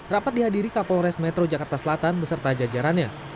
rapat dihadiri kapolres metro jakarta selatan beserta jajarannya